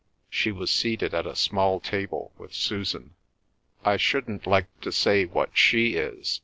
She was seated at a small table with Susan. "I shouldn't like to say what she is!"